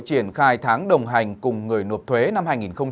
triển khai tháng đồng hành cùng người nộp thuế năm hai nghìn một mươi chín